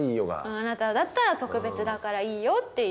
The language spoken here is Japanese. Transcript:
あなただったら特別だからいいよっていう。